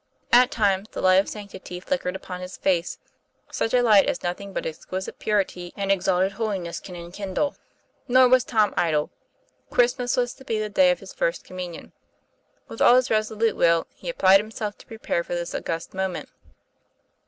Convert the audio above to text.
At times the light of sanctity flick ered upon his face such a light as nothing but exquisite purity and exalted holiness can enkindle. Nor was Tom idle. Christmas was to be the day of his First Communion. With all his resolute will he applied himself to prepare for this august moment.